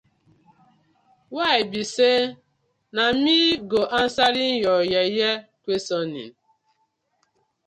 Why bi say na mi go answering yah yeye questioning.